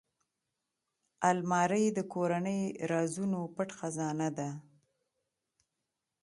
الماري د کورنۍ رازونو پټ خزانه ده